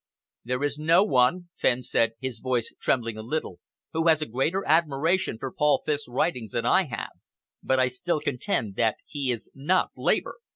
"There is no one," Fenn said, his voice trembling a little, "who has a greater admiration for Paul Fiske's writings than I have, but I still contend that he is not Labour."